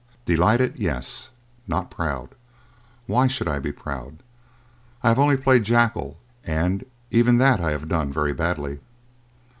"Delighted, yes; not proud. Why should I be proud? I have only played jackal, and even that I have done very badly."